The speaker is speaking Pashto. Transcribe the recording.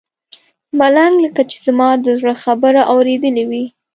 ملنګ لکه چې زما د زړه خبره اورېدلې وي.